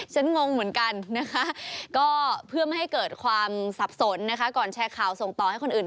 งงเหมือนกันนะคะก็เพื่อไม่ให้เกิดความสับสนนะคะก่อนแชร์ข่าวส่งต่อให้คนอื่น